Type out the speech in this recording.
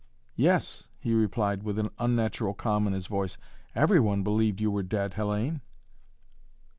"Yes," he replied with an unnatural calm in his voice. "Every one believed you were dead, Hellayne."